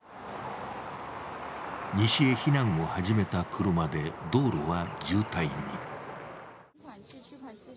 西へ避難を始めた車で道路は渋滞に。